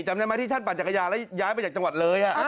จำได้ไหมที่ท่านปั่นจักรยานแล้วย้ายไปจากจังหวัดเลย